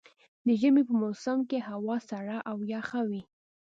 د ژمي په موسم کې هوا سړه او يخه وي.